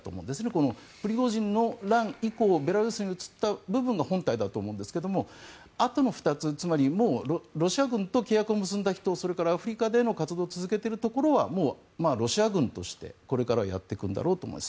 このプリゴジンの乱以降ベラルーシに移った部分が本隊だと思うんですがあとの２つつまり、もうロシア軍と契約を結んだ人それからアフリカでの活動を続けているところはもうロシア軍として、これからはやっていくんだろうと思います。